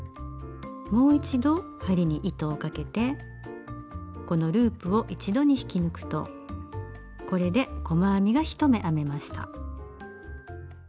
もう一度針に糸をかけてこのループを一度に引き抜くとこれで細編みが１目編めました。